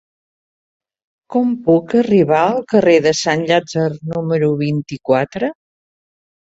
Com puc arribar al carrer de Sant Llàtzer número vint-i-quatre?